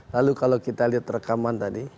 lalu kalau kita lihat rekaman tadi